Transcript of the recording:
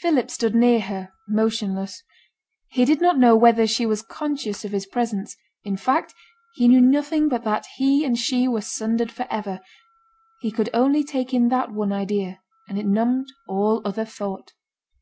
Philip stood near her, motionless: he did not know whether she was conscious of his presence; in fact, he knew nothing but that he and she were sundered for ever; he could only take in that one idea, and it numbed all other thought.